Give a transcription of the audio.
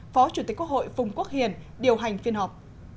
phó chủ tịch quốc hội phùng quốc hiền điều hành phiên họp